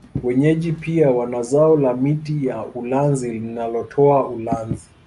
Wenyeji pia wanazao la miti ya ulanzi linalotoa ulanzi